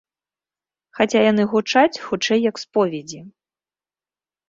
Хаця яны гучаць хутчэй як споведзі.